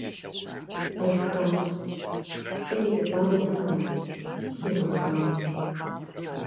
Къешхащ, щӏыр ирикъуа дэнэ къэна, щӏигъужауэ.